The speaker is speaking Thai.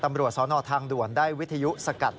ตำรวจสนทางด่วนได้วิทยุสกัด